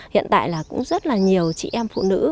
hiện tại là cũng rất là nhiều chị em phụ nữ